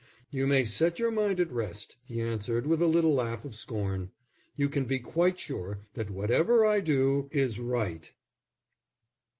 "You may set your mind at rest," he answered, with a little laugh of scorn, "you can be quite sure that whatever I do is right."